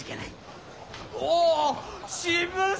おお渋沢。